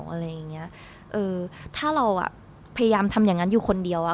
อะไรอย่างเงี้ยเออถ้าเราอ่ะพยายามทำอย่างงั้นอยู่คนเดียวอ่ะ